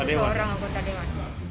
itu seorang anggota dewan